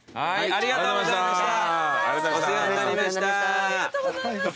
ありがとうございますよかった。